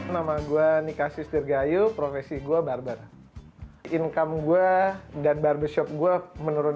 nama gue nika sisirgayu profesi gue barber income gue dan barbershop gue menurun